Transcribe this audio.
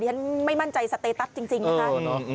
ฉันไม่มั่นใจสเตตัสจริงนะคะ